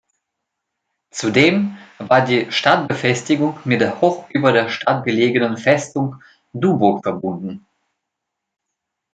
Zudem war die Stadtbefestigung mit der hoch über der Stadt gelegenen Festung Duburg verbunden.